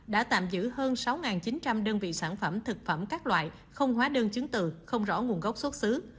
đã tạm giữ hơn sáu chín trăm linh đơn vị sản phẩm thực phẩm các loại không hóa đơn chứng từ không rõ nguồn gốc xuất xứ